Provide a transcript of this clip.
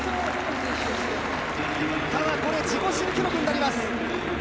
ただ自己新記録になります。